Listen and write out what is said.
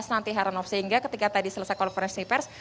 nanti heranov sehingga ketika tadi selesai konferensi pers